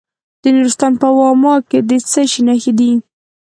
د نورستان په واما کې د څه شي نښې دي؟